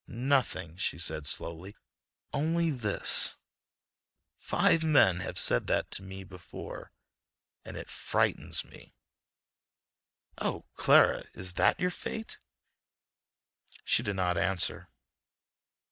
"Nothing," she said slowly, "only this: five men have said that to me before, and it frightens me." "Oh, Clara, is that your fate!" She did not answer.